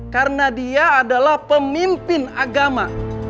karena dia adalah pemimpin agama